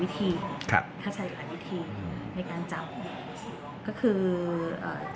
ทอมกัดแล้ว